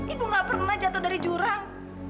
ibu gak pernah jatuh dari jurang